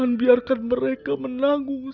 jangan biarkan mereka menanggung